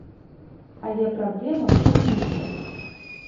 Але праблема ў іншым.